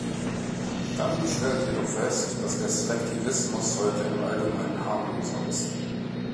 Dunning stellt jedoch fest, dass der Slacktivismus heute im Allgemeinen harmloser ist.